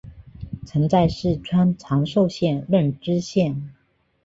曾在四川长寿县任知县。